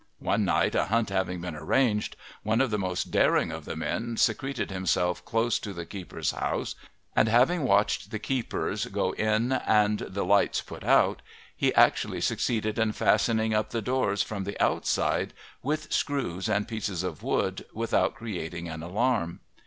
One night, a hunt having been arranged, one of the most daring of the men secreted himself close to the keeper's house, and having watched the keepers go in and the lights put out, he actually succeeded in fastening up the doors from the outside with screws and pieces of wood without creating an alarm.